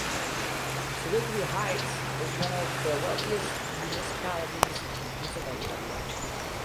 Sewickley Heights is one of the wealthiest municipalities in Pennsylvania.